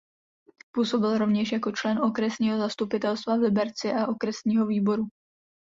Působil rovněž jako člen okresního zastupitelstva v Liberci a okresního výboru.